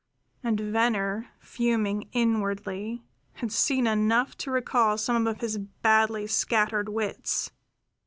And Venner, fuming inwardly, had seen enough to recall some of his badly scattered wits.